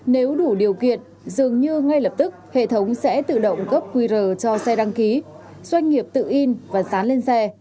nếu đủ điều kiện dường như ngay lập tức hệ thống sẽ tự động cấp qr cho xe đăng ký doanh nghiệp tự in và dán lên xe